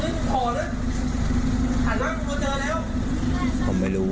มีอย่างไรจะที่นี่กันที่หนึ่ง